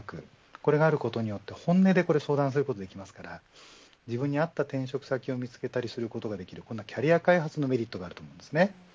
これがあることによって本音で相談することができますから自分に合った転職先を見つけたりすることができるキャリア開発のメリットがあると思います。